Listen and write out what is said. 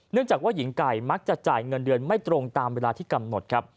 จากว่าหญิงไก่มักจะจ่ายเงินเดือนไม่ตรงตามเวลาที่กำหนดครับ